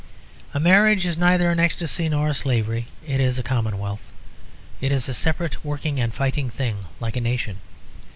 A marriage is neither an ecstasy nor a slavery; it is a commonwealth; it is a separate working and fighting thing like a nation.